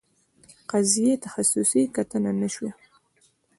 قضیې تخصصي کتنه نه شوې.